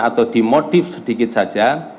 atau dimodif sedikit saja